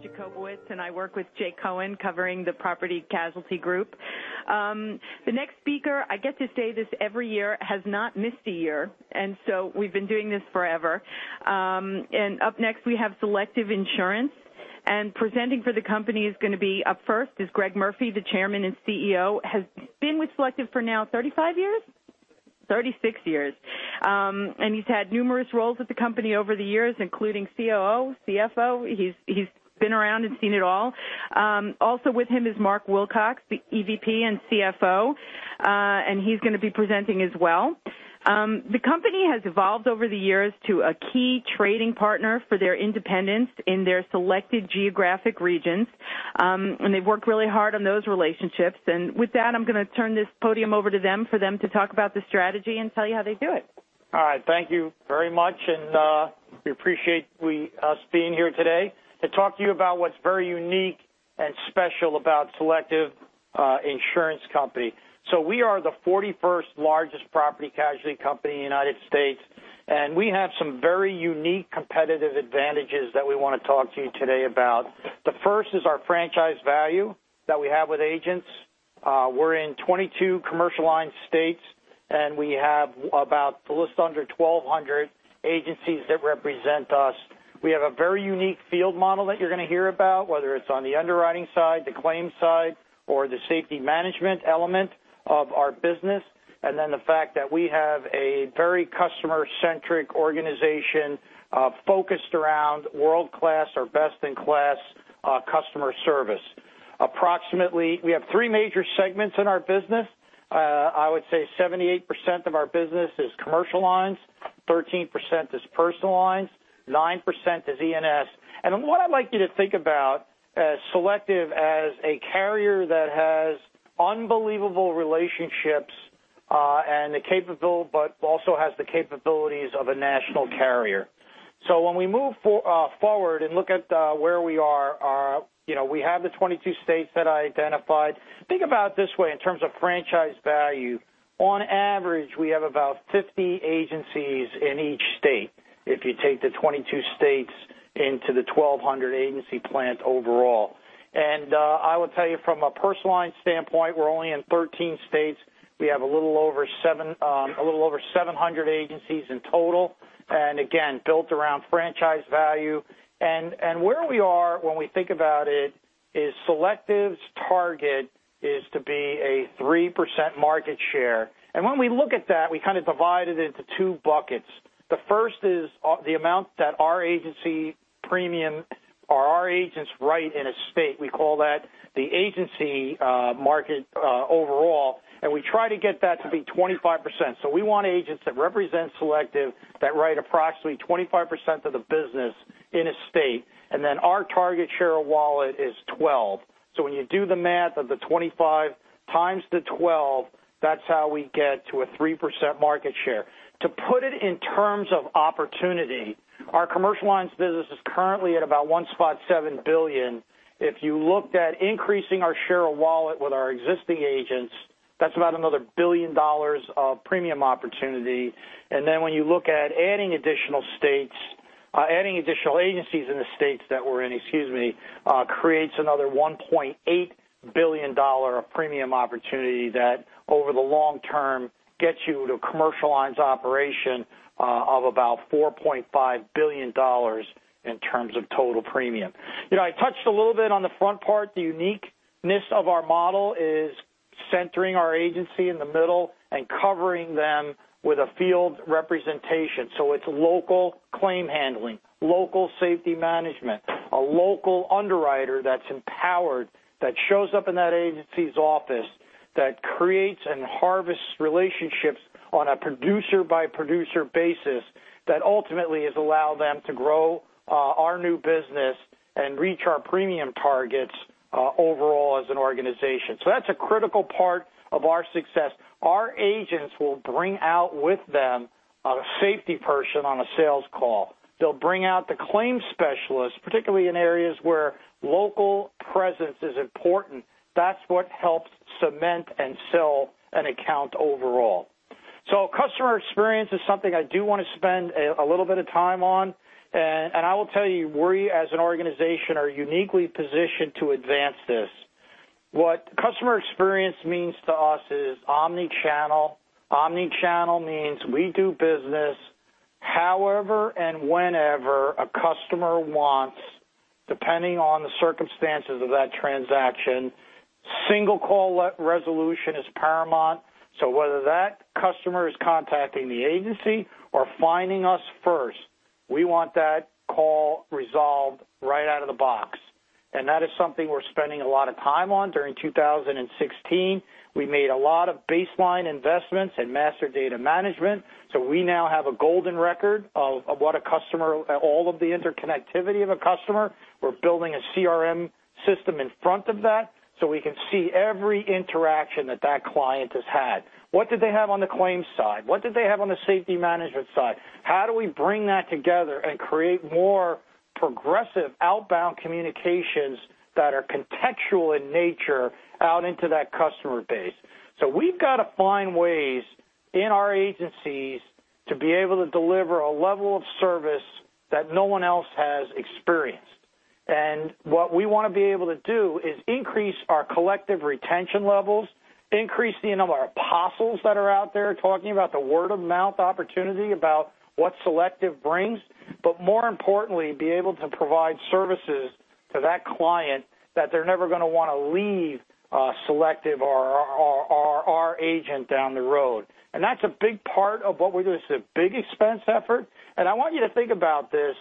Alison Jacobowitz, and I work with Jay Cohen, covering the property casualty group. The next speaker, I get to say this every year, has not missed a year. We've been doing this forever. Up next, we have Selective Insurance. Presenting for the company is going to be, up first, is Greg Murphy, the Chairman and CEO. Has been with Selective for now 35 years? 36 years. He's had numerous roles with the company over the years, including COO, CFO. He's been around and seen it all. Also with him is Mark Wilcox, the EVP and CFO, he's going to be presenting as well. The company has evolved over the years to a key trading partner for their independence in their selected geographic regions, they've worked really hard on those relationships. With that, I'm going to turn this podium over to them for them to talk about the strategy and tell you how they do it. All right. Thank you very much, we appreciate us being here today to talk to you about what's very unique and special about Selective Insurance Company. We are the 41st largest property casualty company in the U.S., we have some very unique competitive advantages that we want to talk to you today about. The first is our franchise value that we have with agents. We're in 22 commercial line states, we have about, close to under 1,200 agencies that represent us. We have a very unique field model that you're going to hear about, whether it's on the underwriting side, the claims side, or the safety management element of our business. The fact that we have a very customer-centric organization focused around world-class or best-in-class customer service. Approximately, we have three major segments in our business. I would say 78% of our business is commercial lines, 13% is personal lines, 9% is E&S. What I'd like you to think about as Selective as a carrier that has unbelievable relationships, but also has the capabilities of a national carrier. When we move forward and look at where we are, we have the 22 states that I identified. Think about it this way in terms of franchise value. On average, we have about 50 agencies in each state, if you take the 22 states into the 1,200 agency plant overall. I will tell you from a personal line standpoint, we're only in 13 states. We have a little over 700 agencies in total, again, built around franchise value. Where we are when we think about it is Selective's target is to be a 3% market share. When we look at that, we kind of divide it into two buckets. The first is the amount that our agency premium or our agents write in a state. We call that the agency market overall, and we try to get that to be 25%. We want agents that represent Selective that write approximately 25% of the business in a state, and then our target share of wallet is 12. When you do the math of the 25 times the 12, that's how we get to a 3% market share. To put it in terms of opportunity, our commercial lines business is currently at about $1.7 billion. If you looked at increasing our share of wallet with our existing agents, that's about another $1 billion of premium opportunity. When you look at adding additional states, adding additional agencies in the states that we're in, excuse me, creates another $1.8 billion of premium opportunity that over the long term gets you to commercial lines operation of about $4.5 billion in terms of total premium. I touched a little bit on the front part. The uniqueness of our model is centering our agency in the middle and covering them with a field representation. It's local claim handling, local safety management, a local underwriter that's empowered, that shows up in that agency's office, that creates and harvests relationships on a producer-by-producer basis that ultimately has allowed them to grow our new business and reach our premium targets overall as an organization. That's a critical part of our success. Our agents will bring out with them a safety person on a sales call. They'll bring out the claims specialist, particularly in areas where local presence is important. That's what helps cement and sell an account overall. Customer experience is something I do want to spend a little bit of time on, and I will tell you, we as an organization are uniquely positioned to advance this. What customer experience means to us is omni-channel. Omni-channel means we do business however and whenever a customer wants, depending on the circumstances of that transaction. Single call resolution is paramount. Whether that customer is contacting the agency or finding us first, we want that call resolved right out of the box. That is something we're spending a lot of time on during 2016. We made a lot of baseline investments in master data management, so we now have a golden record of what a customer, all of the interconnectivity of a customer. We're building a CRM system in front of that, so we can see every interaction that that client has had. What did they have on the claims side? What did they have on the safety management side? How do we bring that together and create more progressive outbound communications that are contextual in nature out into that customer base? We've got to find ways in our agencies to be able to deliver a level of service that no one else has experienced. What we want to be able to do is increase our collective retention levels, increase the number of apostles that are out there talking about the word-of-mouth opportunity, about what Selective brings, but more importantly, be able to provide services to that client that they're never going to want to leave Selective or our agent down the road. That's a big part of what we do. It's a big expense effort, and I want you to think about this.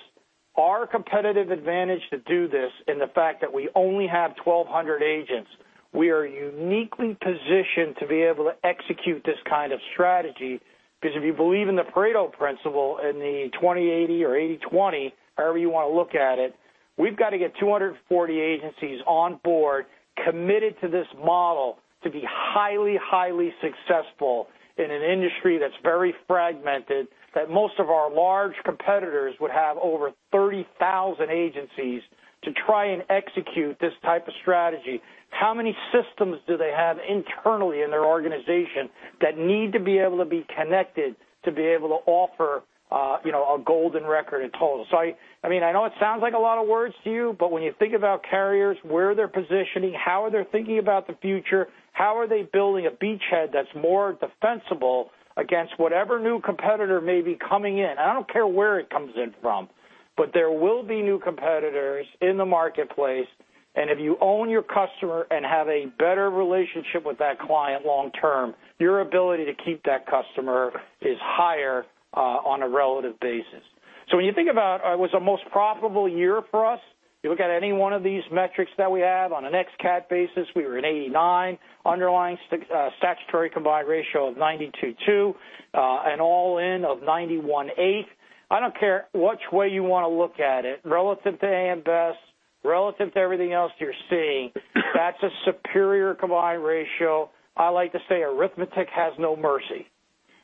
Our competitive advantage to do this in the fact that we only have 1,200 agents, we are uniquely positioned to be able to execute this kind of strategy, because if you believe in the Pareto principle, in the 20/80 or 80/20, however you want to look at it, we've got to get 240 agencies on board, committed to this model to be highly successful in an industry that's very fragmented, that most of our large competitors would have over 30,000 agencies to try and execute this type of strategy. How many systems do they have internally in their organization that need to be able to be connected to be able to offer a golden record in total? I know it sounds like a lot of words to you, but when you think about carriers, where they're positioning, how are they thinking about the future, how are they building a beachhead that's more defensible against whatever new competitor may be coming in? I don't care where it comes in from, but there will be new competitors in the marketplace, and if you own your customer and have a better relationship with that client long term, your ability to keep that customer is higher on a relative basis. When you think about it was the most profitable year for us, you look at any one of these metrics that we have on an ex-cat basis, we were in 89%, underlying statutory combined ratio of 92.2, and all in of 91.8. I don't care which way you want to look at it, relative to AM Best, relative to everything else you're seeing, that's a superior combined ratio. I like to say arithmetic has no mercy.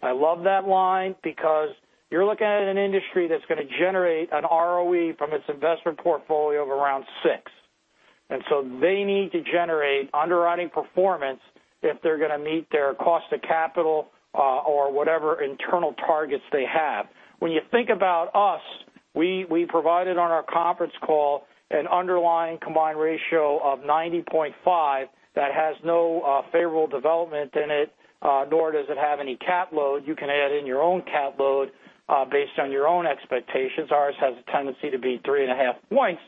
I love that line because you're looking at an industry that's going to generate an ROE from its investment portfolio of around 6%. They need to generate underwriting performance if they're going to meet their cost of capital or whatever internal targets they have. When you think about us, we provided on our conference call an underlying combined ratio of 90.5 that has no favorable development in it, nor does it have any cat load. You can add in your own cat load based on your own expectations. Ours has a tendency to be three and a half points,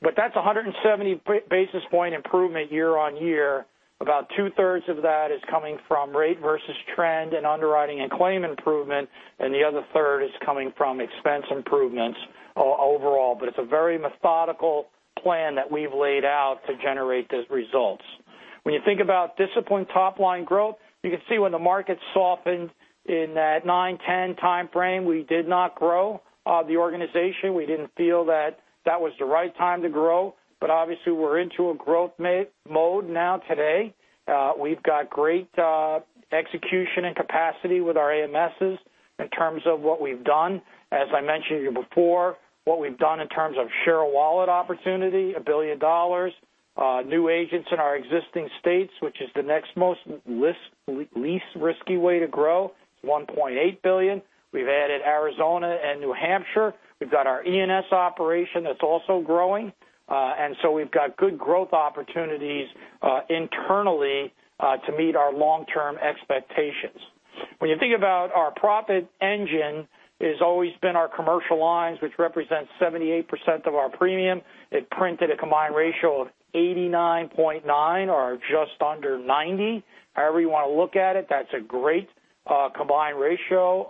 but that's 170 basis point improvement year-on-year. About two-thirds of that is coming from rate versus trend and underwriting and claim improvement, and the other third is coming from expense improvements overall. It's a very methodical plan that we've laid out to generate those results. When you think about disciplined top-line growth, you can see when the market softened in that 2009, 2010 timeframe, we did not grow the organization. We didn't feel that that was the right time to grow. Obviously we're into a growth mode now today. We've got great execution and capacity with our AMSs in terms of what we've done. As I mentioned to you before, what we've done in terms of share of wallet opportunity, $1 billion. New agents in our existing states, which is the next most least risky way to grow, $1.8 billion. We've added Arizona and New Hampshire. We've got our E&S operation that's also growing. We've got good growth opportunities internally to meet our long-term expectations. When you think about our profit engine, it's always been our commercial lines, which represents 78% of our premium. It printed a combined ratio of 89.9 or just under 90. However you want to look at it, that's a great combined ratio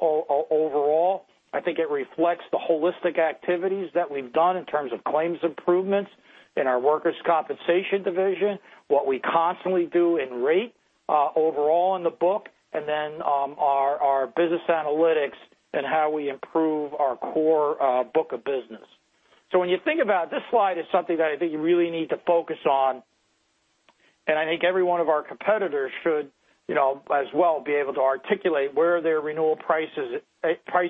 overall. I think it reflects the holistic activities that we've done in terms of claims improvements in our workers' compensation division, what we constantly do in rate overall in the book, and then our business analytics and how we improve our core book of business. When you think about this slide is something that I think you really need to focus on, and I think every one of our competitors should as well be able to articulate where their renewal price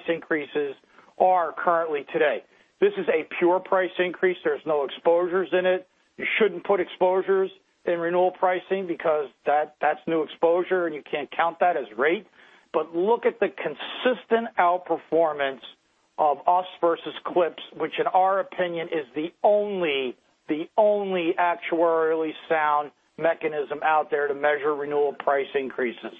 increases are currently today. This is a pure price increase. There's no exposures in it. You shouldn't put exposures in renewal pricing because that's new exposure, and you can't count that as rate. Look at the consistent outperformance of us versus CLIPS, which in our opinion is the only actuarially sound mechanism out there to measure renewal price increases.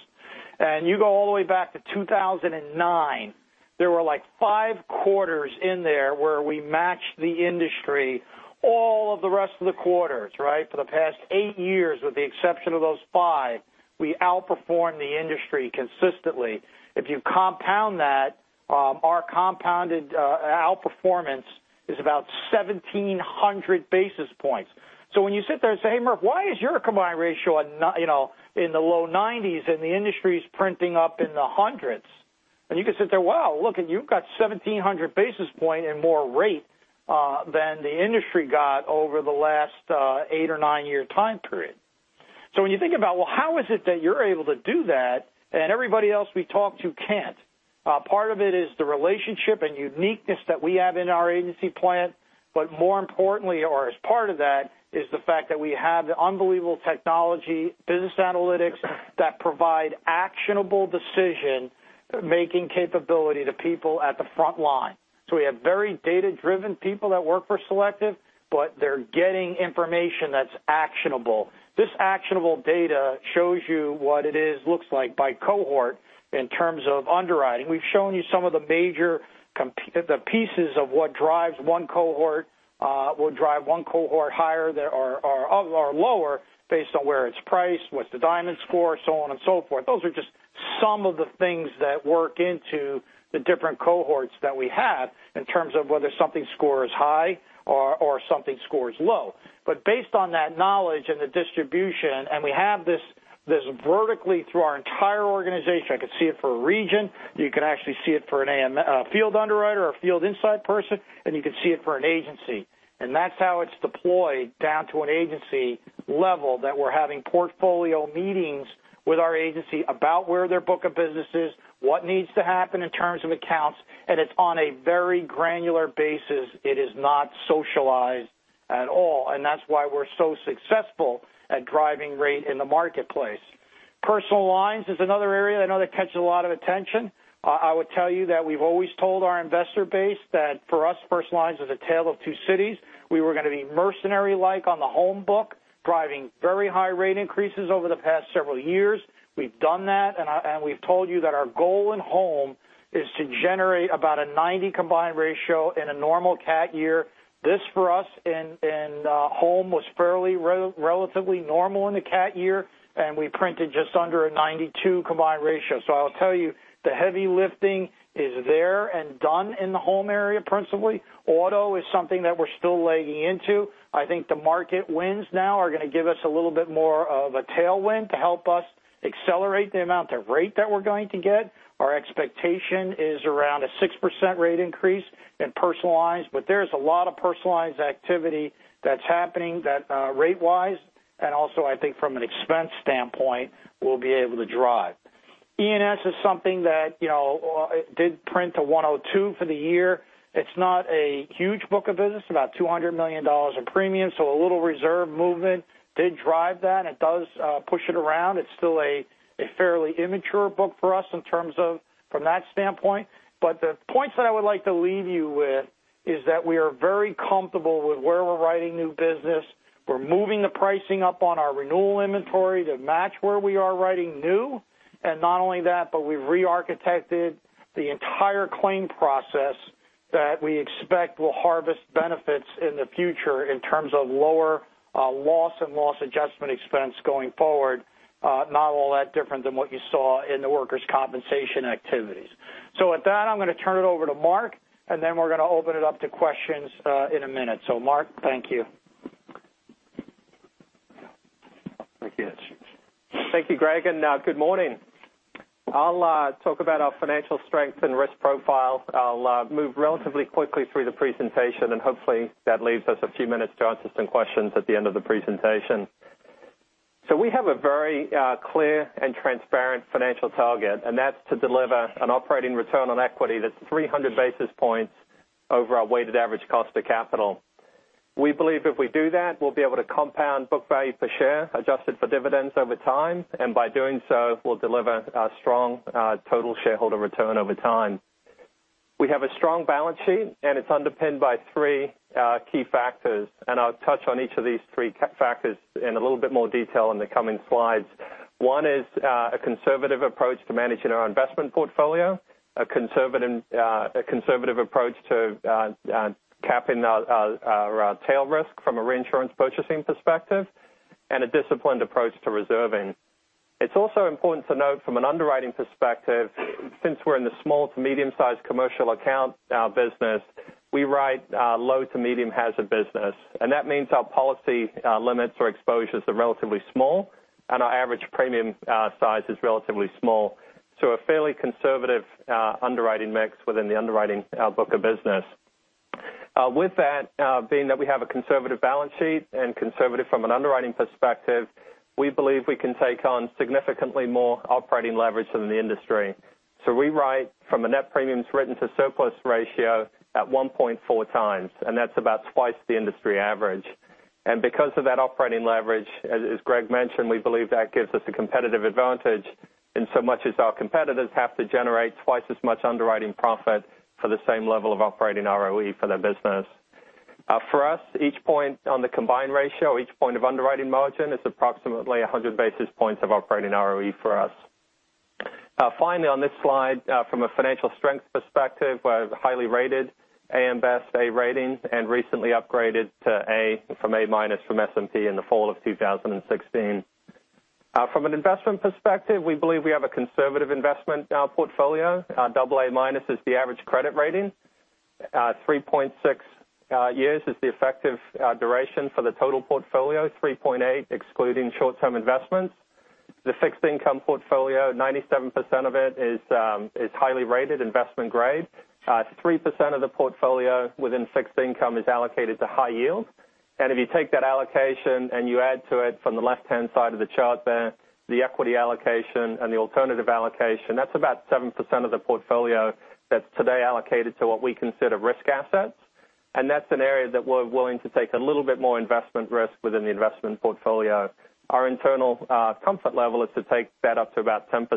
You go all the way back to 2009, there were five quarters in there where we matched the industry all of the rest of the quarters. For the past eight years, with the exception of those five, we outperformed the industry consistently. If you compound that, our compounded outperformance is about 1,700 basis points. When you sit there and say, "Hey Murph, why is your combined ratio in the low 90s and the industry's printing up in the hundreds?" You can sit there, wow, look it, you've got 1,700 basis points in more rate than the industry got over the last eight or nine-year time period. When you think about, well, how is it that you're able to do that and everybody else we talk to can't? Part of it is the relationship and uniqueness that we have in our agency plan, but more importantly, or as part of that, is the fact that we have the unbelievable technology business analytics that provide actionable decision-making capability to people at the front line. We have very data-driven people that work for Selective, but they're getting information that's actionable. This actionable data shows you what it looks like by cohort in terms of underwriting. We've shown you some of the major pieces of what drives one cohort, what drive one cohort higher or lower based on where it's priced, what's the diamond score, so on and so forth. Those are just some of the things that work into the different cohorts that we have in terms of whether something scores high or something scores low. Based on that knowledge and the distribution, and we have this vertically through our entire organization, I could see it for a region. You could actually see it for a field underwriter or field inside person, and you could see it for an agency. That's how it is deployed down to an agency level that we are having portfolio meetings with our agency about where their book of business is, what needs to happen in terms of accounts, and it is on a very granular basis. It is not socialized at all. That's why we are so successful at driving rate in the marketplace. Personal Lines is another area I know that catches a lot of attention. I would tell you that we have always told our investor base that for us, Personal Lines is a tale of two cities. We were going to be mercenary-like on the home book, driving very high rate increases over the past several years. We have done that. We have told you that our goal in home is to generate about a 90 combined ratio in a normal cat year. This, for us in home, was fairly relatively normal in the cat year. We printed just under a 92 combined ratio. I will tell you, the heavy lifting is there and done in the home area, principally. Auto is something that we are still legging into. I think the market wins now are going to give us a little bit more of a tailwind to help us accelerate the amount of rate that we are going to get. Our expectation is around a 6% rate increase in Personal Lines. There is a lot of Personal Lines activity that is happening rate wise, and also I think from an expense standpoint, we will be able to drive. E&S is something that did print to 102 for the year. It is not a huge book of business, about $200 million in premiums. A little reserve movement did drive that, and it does push it around. It is still a fairly immature book for us in terms of from that standpoint. The points that I would like to leave you with is that we are very comfortable with where we are writing new business. We are moving the pricing up on our renewal inventory to match where we are writing new. Not only that, we have re-architected the entire claim process that we expect will harvest benefits in the future in terms of lower loss and loss adjustment expense going forward. Not all that different than what you saw in the workers' compensation activities. With that, I am going to turn it over to Mark. We are going to open it up to questions in a minute. Mark, thank you. Thank you, Greg, and good morning. I'll talk about our financial strength and risk profile. I'll move relatively quickly through the presentation, and hopefully, that leaves us a few minutes to answer some questions at the end of the presentation. We have a very clear and transparent financial target, and that's to deliver an operating return on equity that's 300 basis points over our weighted average cost of capital. We believe if we do that, we'll be able to compound book value per share, adjusted for dividends over time, and by doing so, we'll deliver a strong total shareholder return over time. We have a strong balance sheet, and it's underpinned by three key factors, and I'll touch on each of these three key factors in a little bit more detail in the coming slides. One is a conservative approach to managing our investment portfolio, a conservative approach to capping our tail risk from a reinsurance purchasing perspective, and a disciplined approach to reserving. It's also important to note from an underwriting perspective, since we're in the small to medium-sized commercial account business, we write low to medium hazard business. That means our policy limits or exposures are relatively small, and our average premium size is relatively small. A fairly conservative underwriting mix within the underwriting book of business. With that, being that we have a conservative balance sheet and conservative from an underwriting perspective, we believe we can take on significantly more operating leverage than the industry. We write from a net premiums written to surplus ratio at 1.4 times, and that's about twice the industry average. Because of that operating leverage, as Greg mentioned, we believe that gives us a competitive advantage, in so much as our competitors have to generate twice as much underwriting profit for the same level of operating ROE for their business. For us, each point on the combined ratio, each point of underwriting margin, is approximately 100 basis points of operating ROE for us. Finally, on this slide, from a financial strength perspective, we're highly rated AM Best A rating, and recently upgraded to A from A minus from S&P in the fall of 2016. From an investment perspective, we believe we have a conservative investment portfolio. Double A minus is the average credit rating. 3.6 years is the effective duration for the total portfolio, 3.8 excluding short-term investments. The fixed income portfolio, 97% of it is highly rated investment grade. 3% of the portfolio within fixed income is allocated to high yield. If you take that allocation and you add to it from the left-hand side of the chart there, the equity allocation and the alternative allocation, that's about 7% of the portfolio that's today allocated to what we consider risk assets. That's an area that we're willing to take a little bit more investment risk within the investment portfolio. Our internal comfort level is to take that up to about 10%.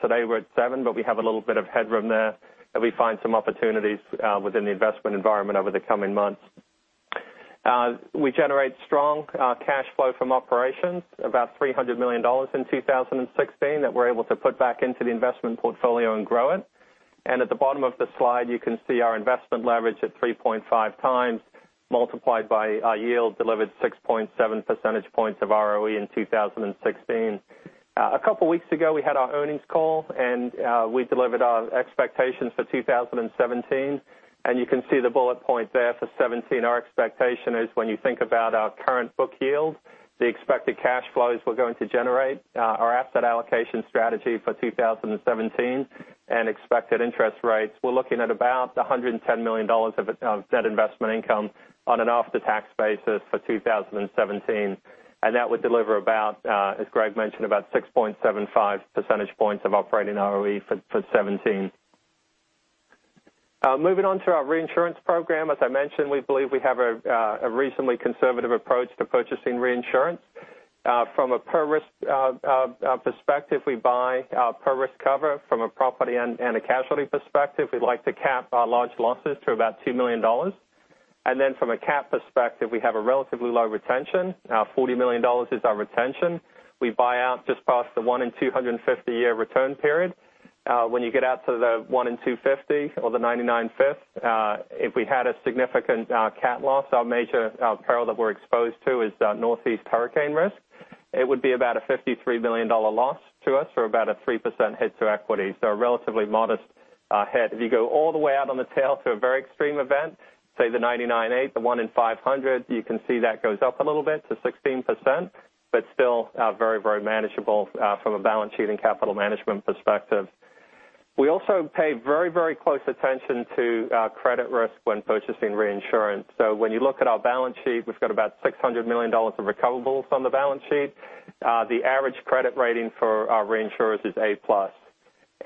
Today we're at seven, but we have a little bit of headroom there, and we find some opportunities within the investment environment over the coming months. We generate strong cash flow from operations, about $300 million in 2016 that we're able to put back into the investment portfolio and grow it. At the bottom of the slide, you can see our investment leverage at 3.5x, multiplied by our yield delivered 6.7 percentage points of ROE in 2016. A couple of weeks ago, we had our earnings call, we delivered our expectations for 2017, and you can see the bullet point there for 2017. Our expectation is when you think about our current book yield, the expected cash flows we're going to generate, our asset allocation strategy for 2017, and expected interest rates. We're looking at about $110 million of net investment income on an after-tax basis for 2017. That would deliver about, as Greg mentioned, about 6.75 percentage points of operating ROE for 2017. Moving on to our reinsurance program. As I mentioned, we believe we have a reasonably conservative approach to purchasing reinsurance. From a per risk perspective, we buy per risk cover from a property and casualty perspective. We like to cap our large losses to about $2 million. From a cap perspective, we have a relatively low retention. $40 million is our retention. We buy out just past the one in 250-year return period. When you get out to the one in 250 or the 99.5th, if we had a significant cat loss, our major peril that we're exposed to is Northeast hurricane risk. It would be about a $53 million loss to us for about a 3% hit to equity, so a relatively modest hit. You go all the way out on the tail to a very extreme event, say the 99.8, the one in 500, you can see that goes up a little bit to 16%, but still very manageable from a balance sheet and capital management perspective. We also pay very close attention to credit risk when purchasing reinsurance. When you look at our balance sheet, we've got about $600 million of recoverables on the balance sheet. The average credit rating for our reinsurers is A-plus.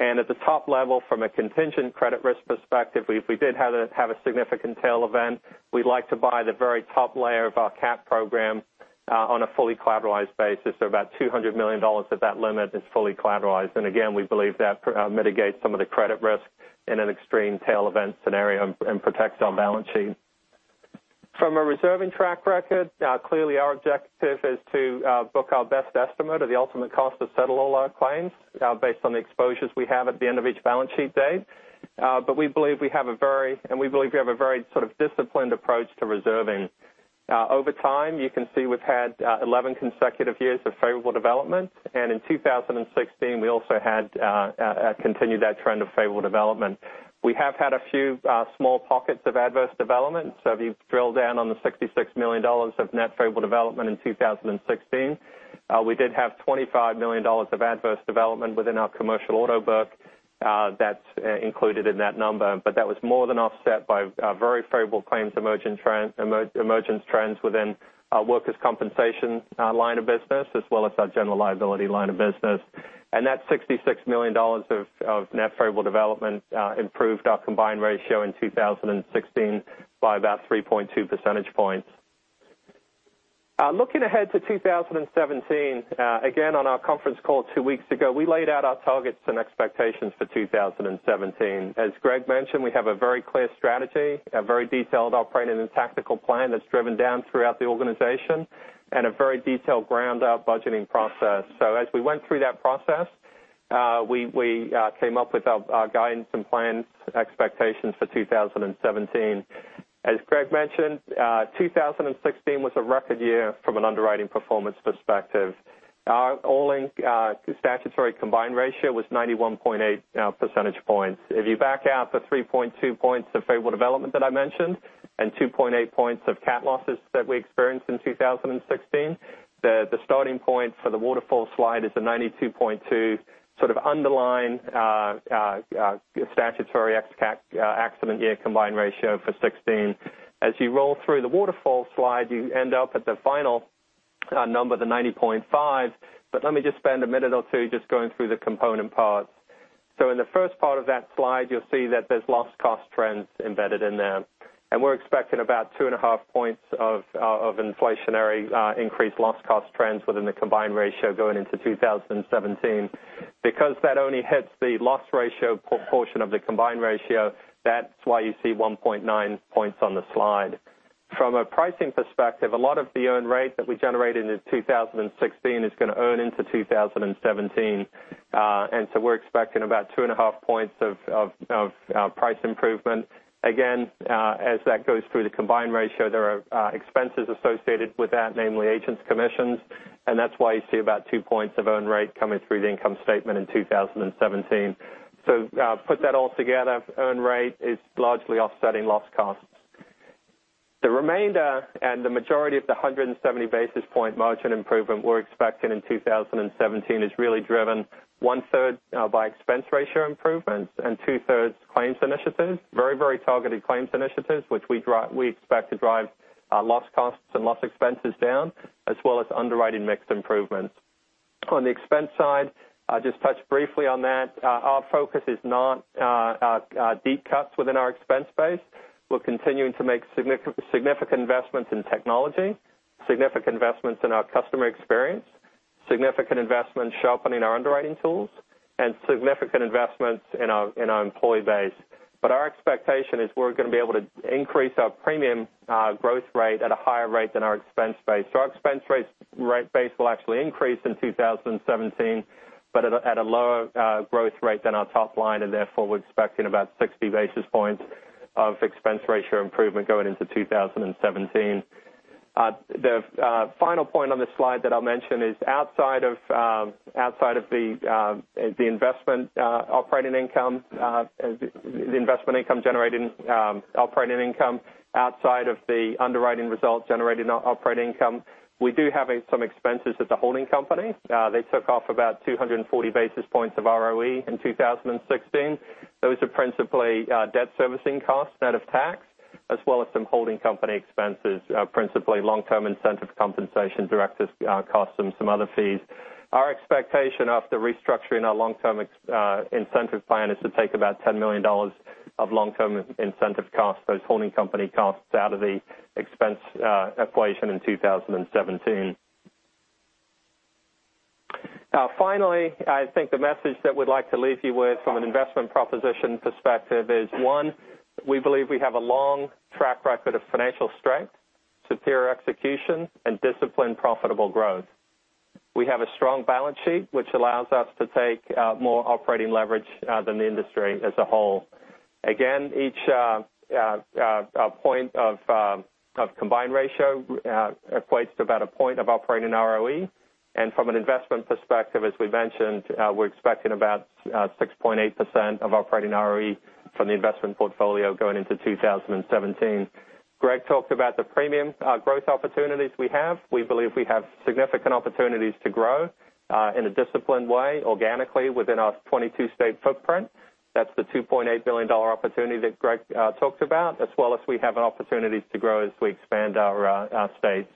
At the top level, from a contingent credit risk perspective, if we did have a significant tail event, we'd like to buy the very top layer of our cat program on a fully collateralized basis. About $200 million at that limit is fully collateralized. Again, we believe that mitigates some of the credit risk in an extreme tail event scenario and protects our balance sheet. From a reserving track record, clearly our objective is to book our best estimate of the ultimate cost to settle all our claims based on the exposures we have at the end of each balance sheet date. We believe we have a very sort of disciplined approach to reserving. Over time, you can see we've had 11 consecutive years of favorable development, and in 2016, we also continued that trend of favorable development. We have had a few small pockets of adverse development. If you drill down on the $66 million of net favorable development in 2016, we did have $25 million of adverse development within our commercial auto book. That's included in that number. That was more than offset by very favorable claims emergence trends within our workers' compensation line of business, as well as our general liability line of business. That $66 million of net favorable development improved our combined ratio in 2016 by about 3.2 percentage points. Looking ahead to 2017. Again, on our conference call two weeks ago, we laid out our targets and expectations for 2017. As Greg mentioned, we have a very clear strategy, a very detailed operating and tactical plan that's driven down throughout the organization and a very detailed ground-up budgeting process. As we went through that process, we came up with our guidance and plan expectations for 2017. As Greg mentioned, 2016 was a record year from an underwriting performance perspective. Our all-in statutory combined ratio was 91.8 percentage points. If you back out the 3.2 points of favorable development that I mentioned and 2.8 points of cat losses that we experienced in 2016, the starting point for the waterfall slide is a 92.2 sort of underlying statutory accident year combined ratio for 2016. As you roll through the waterfall slide, you end up at the final number, the 90.5. Let me just spend a minute or two just going through the component parts. In the first part of that slide, you'll see that there's loss cost trends embedded in there. We're expecting about 2.5 points of inflationary increased loss cost trends within the combined ratio going into 2017. Because that only hits the loss ratio portion of the combined ratio, that's why you see 1.9 points on the slide. From a pricing perspective, a lot of the earn rate that we generated in 2016 is going to earn into 2017. We're expecting about 2.5 points of price improvement. As that goes through the combined ratio, there are expenses associated with that, namely agents' commissions, and that's why you see about two points of earn rate coming through the income statement in 2017. Put that all together, earn rate is largely offsetting loss costs. The remainder and the majority of the 170 basis point margin improvement we're expecting in 2017 is really driven one-third by expense ratio improvements and two-thirds claims initiatives. Very targeted claims initiatives, which we expect to drive loss costs and loss expenses down, as well as underwriting mix improvements. On the expense side, I'll just touch briefly on that. Our focus is not deep cuts within our expense base. We're continuing to make significant investments in technology, significant investments in our customer experience, significant investments sharpening our underwriting tools, and significant investments in our employee base. Our expectation is we're going to be able to increase our premium growth rate at a higher rate than our expense base. Our expense rate base will actually increase in 2017, but at a lower growth rate than our top line, and therefore, we're expecting about 60 basis points of expense ratio improvement going into 2017. The final point on this slide that I'll mention is outside of the investment operating income, the investment income generating operating income, outside of the underwriting results generating operating income, we do have some expenses at the holding company. They took off about 240 basis points of ROE in 2016. Those are principally debt servicing costs net of tax, as well as some holding company expenses, principally long-term incentive compensation, directors' costs, and some other fees. Our expectation after restructuring our long-term incentive plan is to take about $10 million of long-term incentive costs, those holding company costs, out of the expense equation in 2017. I think the message that we'd like to leave you with from an investment proposition perspective is, one, we believe we have a long track record of financial strength, superior execution, and disciplined, profitable growth. We have a strong balance sheet, which allows us to take more operating leverage than the industry as a whole. Each point of combined ratio equates to about a point of operating ROE. From an investment perspective, as we mentioned, we're expecting about 6.8% of operating ROE from the investment portfolio going into 2017. Greg talked about the premium growth opportunities we have. We believe we have significant opportunities to grow in a disciplined way, organically within our 22-state footprint. That's the $2.8 billion opportunity that Greg talked about, as well as we have an opportunity to grow as we expand our states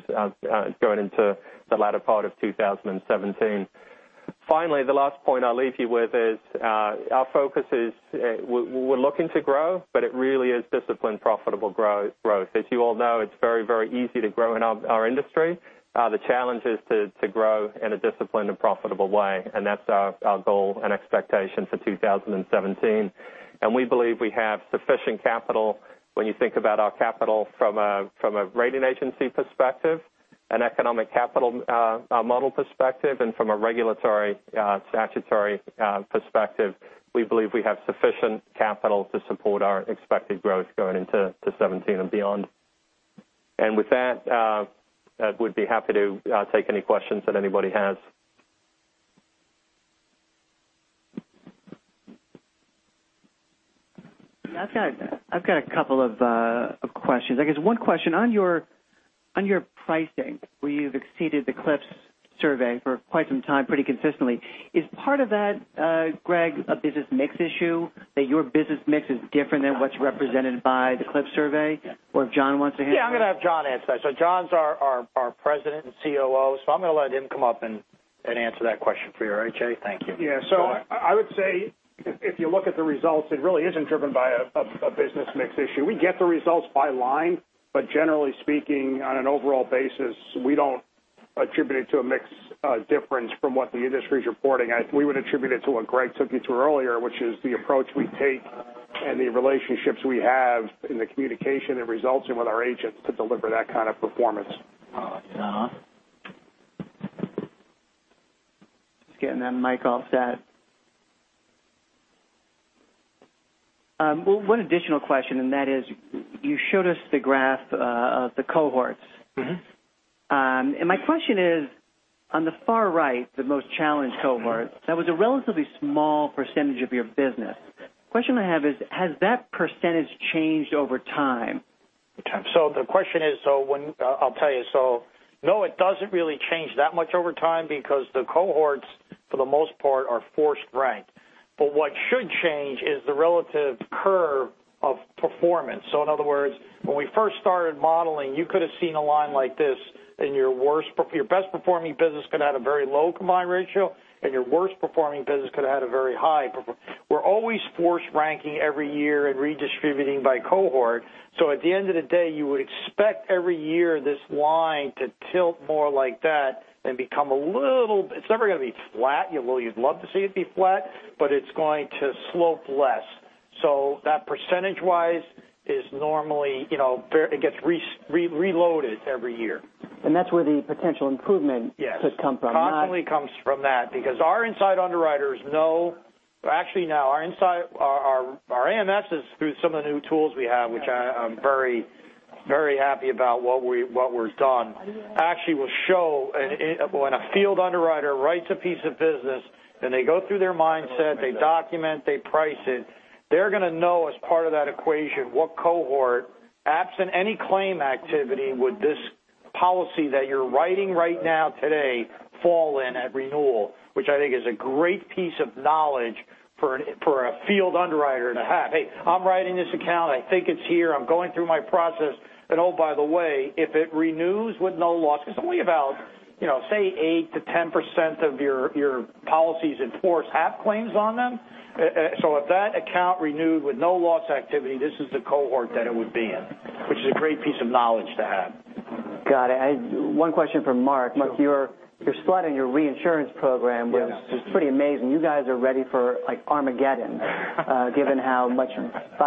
going into the latter part of 2017. The last point I'll leave you with is our focus is we're looking to grow, but it really is disciplined, profitable growth. As you all know, it's very easy to grow in our industry. The challenge is to grow in a disciplined and profitable way, that's our goal and expectation for 2017. We believe we have sufficient capital when you think about our capital from a rating agency perspective, an economic capital model perspective, and from a regulatory statutory perspective. We believe we have sufficient capital to support our expected growth going into 2017 and beyond. With that, I would be happy to take any questions that anybody has. I've got a couple of questions. I guess one question, on your pricing, where you've exceeded the CLIPS survey for quite some time pretty consistently, is part of that, Greg, a business mix issue, that your business mix is different than what's represented by the CLIPS survey? If John wants to handle that. Yeah, I'm going to have John answer that. John's our President and COO, so I'm going to let him come up and answer that question for you. All right, Jay? Thank you. Yeah. I would say if you look at the results, it really isn't driven by a business mix issue. We get the results by line, but generally speaking, on an overall basis, we don't attribute it to a mix difference from what the industry's reporting. We would attribute it to what Greg took you through earlier, which is the approach we take and the relationships we have in the communication it results in with our agents to deliver that kind of performance. Just getting that mic all set. One additional question, that is, you showed us the graph of the cohorts. My question is, on the far right, the most challenged cohort, that was a relatively small percentage of your business. Question I have is, has that percentage changed over time? The question is, I'll tell you. No, it doesn't really change that much over time because the cohorts, for the most part, are force ranked. What should change is the relative curve of performance. In other words, when we first started modeling, you could have seen a line like this, and your best performing business could have had a very low combined ratio, and your worst performing business could have had a very high. We're always force ranking every year and redistributing by cohort. At the end of the day, you would expect every year this line to tilt more like that and become a little, it's never going to be flat. You'd love to see it be flat, but it's going to slope less. That percentage-wise is normally it gets reloaded every year. That's where the potential improvement. Yes. Could come from. Constantly comes from that because our inside underwriters know. Actually, no. Our AMS is through some of the new tools we have, which I am very happy about what was done. Actually will show when a field underwriter writes a piece of business, then they go through their mindset, they document, they price it. They're going to know as part of that equation what cohort, absent any claim activity, would this. Policy that you're writing right now today fall in at renewal, which I think is a great piece of knowledge for a field underwriter to have. "Hey, I'm writing this account. I think it's here. I'm going through my process. Oh, by the way, if it renews with no loss" Only about 8%-10% of your policies in force have claims on them. If that account renewed with no loss activity, this is the cohort that it would be in, which is a great piece of knowledge to have. Got it. I have one question for Mark. Mark, your slide on your reinsurance program- Yeah. Was pretty amazing. You guys are ready for like Armageddon- Given how much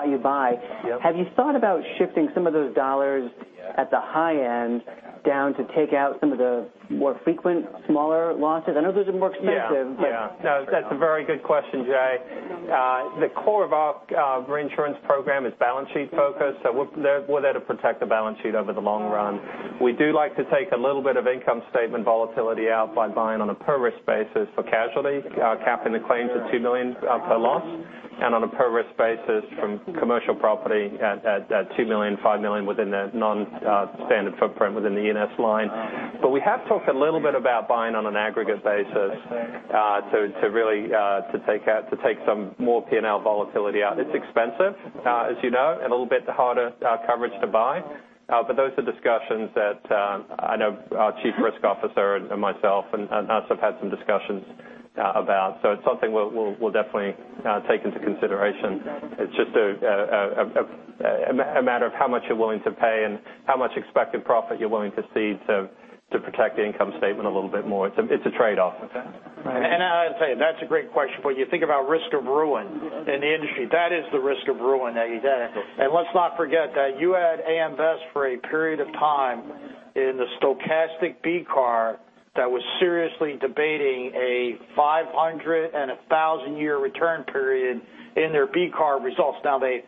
you buy. Yep. Have you thought about shifting some of those dollars at the high end down to take out some of the more frequent smaller losses? I know those are more expensive- Yeah. No, that's a very good question, Jay. The core of our reinsurance program is balance sheet focused, so we're there to protect the balance sheet over the long run. We do like to take a little bit of income statement volatility out by buying on a per-risk basis for casualty, capping the claims at $2 million per loss, and on a per-risk basis from commercial property at $2 million, $5 million within the non-standard footprint within the E&S line. We have talked a little bit about buying on an aggregate basis to take some more P&L volatility out. It's expensive, as you know, and a little bit harder coverage to buy. Those are discussions that I know our chief risk officer and myself and Nas have had some discussions about. It's something we'll definitely take into consideration. It's just a matter of how much you're willing to pay and how much expected profit you're willing to cede to protect the income statement a little bit more. It's a trade-off. Okay. I'd say that's a great question, you think about risk of ruin in the industry. That is the risk of ruin that you get. Let's not forget that you had AM Best for a period of time in the stochastic BCAR that was seriously debating a 500- and 1,000-year return period in their BCAR results. Now they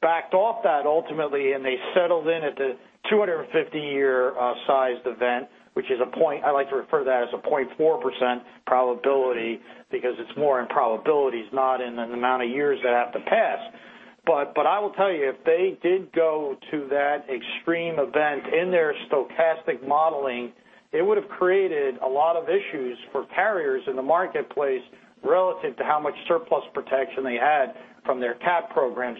backed off that ultimately, and they settled in at the 250-year sized event, which is a point, I like to refer to that as a 0.4% probability because it's more in probabilities, not in the amount of years that have to pass. I will tell you, if they did go to that extreme event in their stochastic modeling, it would've created a lot of issues for carriers in the marketplace relative to how much surplus protection they had from their cat program.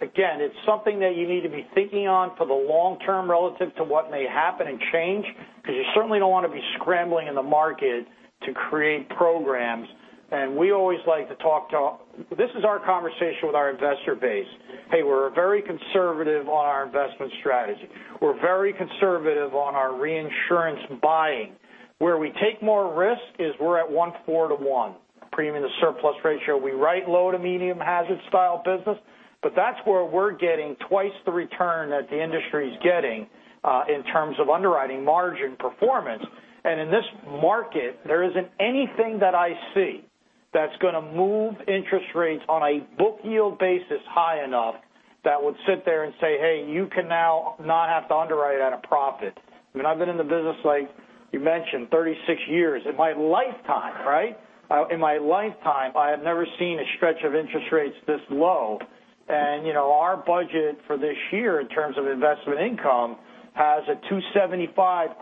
Again, it's something that you need to be thinking on for the long term relative to what may happen and change because you certainly don't want to be scrambling in the market to create programs. We always like to talk to our This is our conversation with our investor base. "Hey, we're very conservative on our investment strategy. We're very conservative on our reinsurance buying." Where we take more risk is we're at 1:4 to 1 premium to surplus ratio. We write low to medium hazard style business, that's where we're getting twice the return that the industry's getting in terms of underwriting margin performance. In this market, there isn't anything that I see that's going to move interest rates on a book yield basis high enough that would sit there and say, "Hey, you can now not have to underwrite at a profit." I've been in the business like you mentioned, 36 years. In my lifetime, right? I have never seen a stretch of interest rates this low. Our budget for this year in terms of investment income has a 275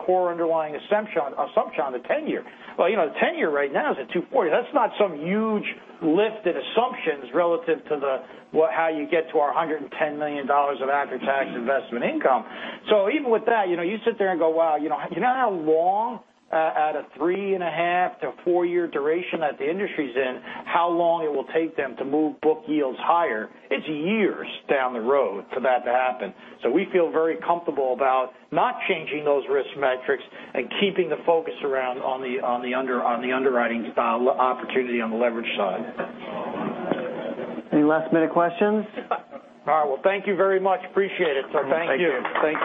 core underlying assumption on the 10-year. The 10-year right now is at 240. That's not some huge lift in assumptions relative to how you get to our $110 million of after-tax investment income. Even with that, you sit there and go, "Wow, do you know how long at a three and a half to four-year duration that the industry's in, how long it will take them to move book yields higher?" It's years down the road for that to happen. We feel very comfortable about not changing those risk metrics and keeping the focus around on the underwriting style opportunity on the leverage side. Any last-minute questions? All right. Well, thank you very much. Appreciate it. Thank you. Thank you.